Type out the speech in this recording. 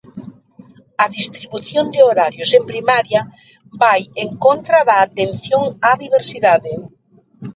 A distribución de horarios en Primaria vai en contra da atención á diversidade.